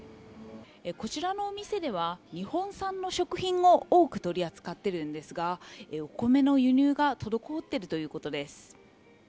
こちらのお店では日本産の食品も多く取り扱っているんですがお米の輸入が滞っているということです。